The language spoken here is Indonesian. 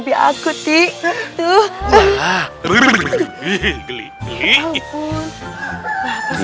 juga gak bisa di selengg botsia